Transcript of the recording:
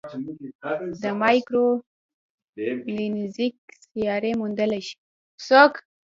د مایکرو لینزینګ سیارې موندلای شي.